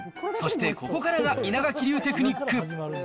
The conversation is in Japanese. そしてここからが稲垣流テクニック。